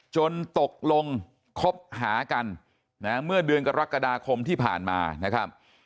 ตกลงคบหากันนะเมื่อเดือนกรกฎาคมที่ผ่านมานะครับ